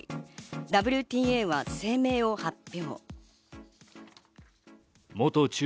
ＷＴＡは声明を発表。